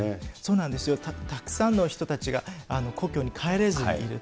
たくさんの人たちが故郷に帰れずにいる。